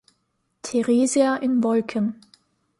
Teresia in Wolken.